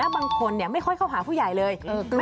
บางคนไม่ค่อยเข้าหาผู้ใหญ่เลย